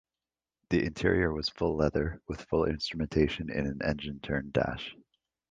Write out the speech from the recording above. The interior was full leather, with full instrumentation in an engine-turned dash.